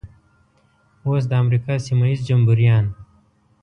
اوس د امریکا سیمه ییز جمبوریان.